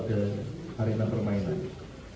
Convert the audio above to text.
biar kalau kamu yang punya